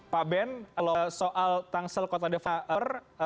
pak ben soal tangsel kota developer